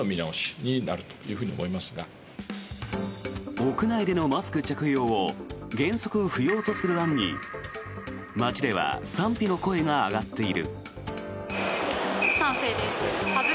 屋内でのマスク着用を原則不要とする案に街では賛否の声が上がっている。